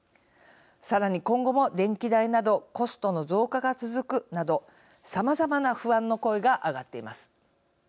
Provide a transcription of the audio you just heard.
さらに今後も、電気代などコストの増加が続くなどさまざまな不安の声が上がっています。